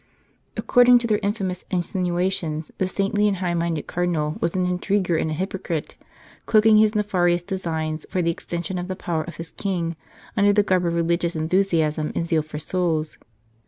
According to their infamous insinuations, the saintly and high minded Cardinal was an intriguer and a hypocrite, cloaking his nefarious designs for the extension of the power of his King under the garb of religious enthusiasm and zeal for souls.